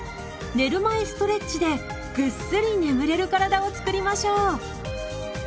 寝る前ストレッチでぐっすり眠れる体を作りましょう。